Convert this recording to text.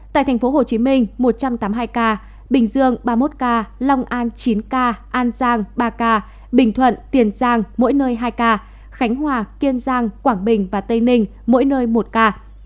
tại tp hcm một trăm tám mươi hai ca bình dương ba mươi một ca long an chín ca an giang ba ca bình thuận tiền giang mỗi nơi hai ca khánh hòa kiên giang quảng bình và tây ninh mỗi nơi một ca